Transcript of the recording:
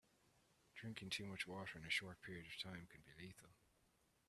Drinking too much water in a short period of time can be lethal.